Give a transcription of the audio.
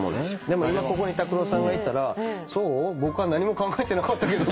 でも今ここに拓郎さんがいたら「そう？僕は何も考えてなかったけど」